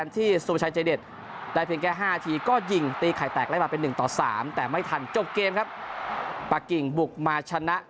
ตีไข่แตกได้มาเป็นหนึ่งต่อสามแต่ไม่ทันจบเกมครับปะกิงบุกมาชนะ